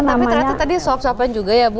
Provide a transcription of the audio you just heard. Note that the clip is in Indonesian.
tapi ternyata tadi suap suapan juga ya bu